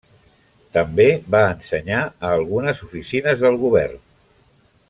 També va ensenyar a algunes oficines del govern.